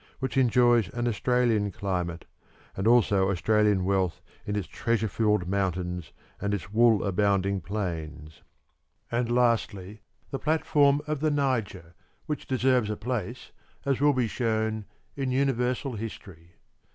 which enjoys an Australian climate, and also Australian wealth in its treasure filled mountains and its wool abounding plains; and lastly the platform of the Niger, which deserves a place, as will be shown, in universal history.